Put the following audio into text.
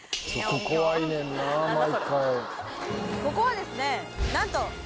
ここはですねなんと。